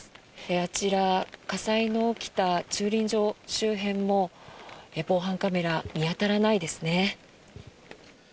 あちら火災の起きた駐輪場周辺も防犯カメラ見当たらないですね。